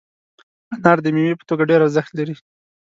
انار د میوې په توګه ډېر ارزښت لري.